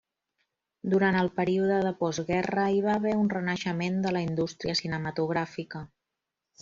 Durant el període de postguerra hi va haver un renaixement de la indústria cinematogràfica.